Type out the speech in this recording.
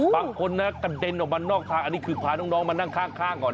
บางคนนะกระเด็นออกมานอกทางอันนี้คือพาน้องมานั่งข้างก่อน